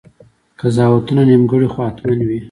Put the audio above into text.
قضاوتونه نیمګړي خو حتماً وي.